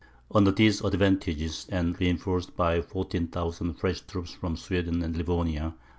Under these advantages, and reinforced by 14,000 fresh troops from Sweden and Livonia.